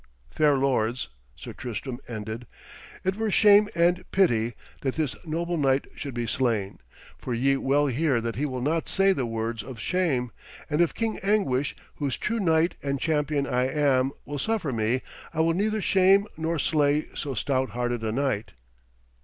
'Fair lords,' Sir Tristram ended, 'it were shame and pity that this noble knight should be slain, for ye well hear that he will not say the words of shame, and if King Anguish, whose true knight and champion I am, will suffer me, I will neither shame nor slay so stout hearted a knight.'